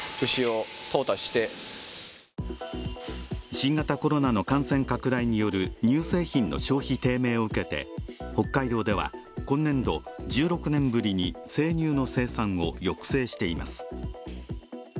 新型コロナの感染拡大による乳製品の消費低迷を受けて北海道では今年度、１６年ぶりに生乳の生産を抑制しています。